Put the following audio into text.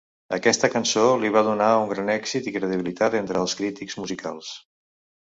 Aquesta cançó li va donar un gran èxit i credibilitat entre el crítics musicals.